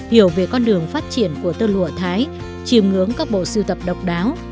hiểu về con đường phát triển của tơ lụa thái chìm ngưỡng các bộ sưu tập độc đáo